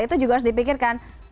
itu juga harus dipikirkan